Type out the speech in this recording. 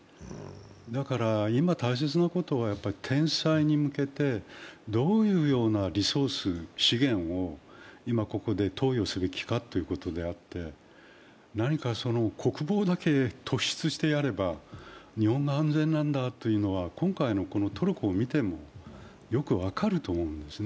だから今、大切なことは天災に向けてどういうようなリソース、資源を今ここで投与すべきかということであって、何か国防だけ突出してやれば日本は安全なんだというのは今回のトルコを見てもよく分かると思うんですね。